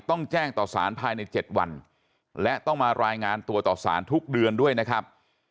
ต้องแจ้งต่อสารภายใน๗วันและต้องมารายงานตัวต่อสารทุกเดือนด้วยนะครับ